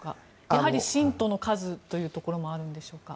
やはり信徒の数というところもあるんでしょうか。